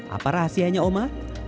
apa rahasianya oma